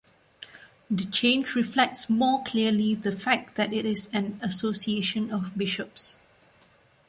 The change reflects more clearly the fact that it is an association of bishops.